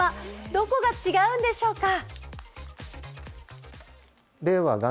どこが違うんでしょうか？